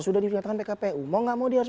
sudah dinyatakan pkpu mau gak mau dia harus